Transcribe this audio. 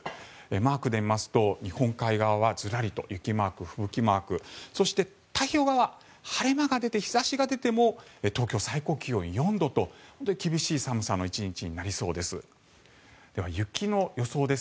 マークで見ますと日本海側はずらりと雪マーク、吹雪マークそして太平洋側、晴れ間が出て日差しが出ても東京、最高気温４度と厳しい寒さの１日になりそうです。